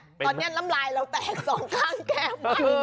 ตอนนี้น้ำลายเราแตกสองข้างแก้ม